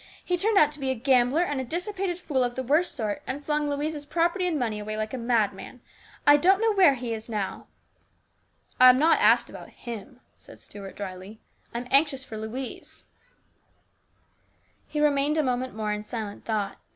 He turned out to be a gambler and a dissipated fool of the worst sort, and flung Louise's property and money away like a madman. I don't know where he is now." STEWARDSHIP. 297 " I have not asked about him," said Stuart, drily ;" I am anxious for Louise." He remained a moment more in silent thought.